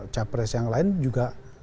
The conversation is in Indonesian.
capres yang lain juga